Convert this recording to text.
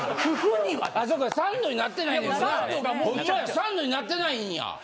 サンドになってないんや。